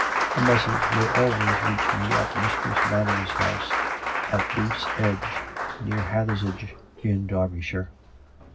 " A message will always reach me at Mistress Manners' house, at Booth's Edge, near Hathersage, in Derbyshire.